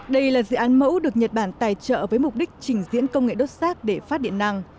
đây là dự án mẫu được nhật bản tài trợ với mục đích trình diễn công nghệ đốt xác để phát điện năng